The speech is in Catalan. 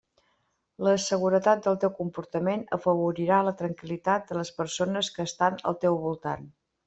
La seguretat del teu comportament afavorirà la tranquil·litat de les persones que estan al teu voltant.